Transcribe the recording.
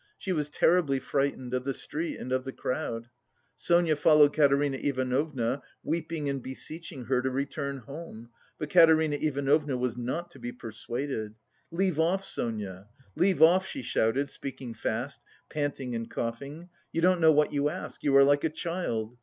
She was terribly frightened of the street and the crowd. Sonia followed Katerina Ivanovna, weeping and beseeching her to return home, but Katerina Ivanovna was not to be persuaded. "Leave off, Sonia, leave off," she shouted, speaking fast, panting and coughing. "You don't know what you ask; you are like a child!